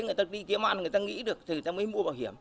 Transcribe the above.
người ta đi kiếm ăn người ta nghĩ được thì người ta mới mua bảo hiểm